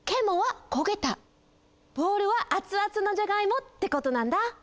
ボールはあつあつのじゃがいもってことなんだ。